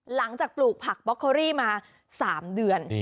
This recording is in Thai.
หลังจากปลูกผักบ๊อกโคลี่มาสามเดือน